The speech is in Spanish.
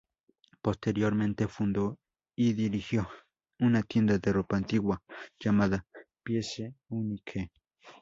Posteriormente, fundó y dirigió una tienda de ropa antigua, llamada Piece Unique.